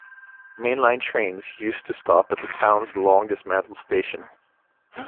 Mainline trains used to stop at the town's long dismantled station.